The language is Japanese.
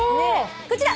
こちら。